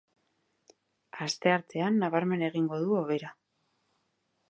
Asteartean nabarmen egingo du hobera.